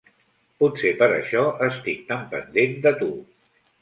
Potser per això estic tan pendent de tu.